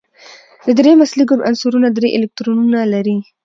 د دریم اصلي ګروپ عنصرونه درې الکترونونه لري.